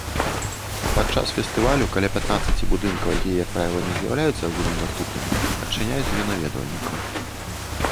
Падчас фестывалю каля пятнаццаці будынкаў, якія як правіла не з'яўляюцца агульнадаступнымі, адчыняюць для наведвальнікаў.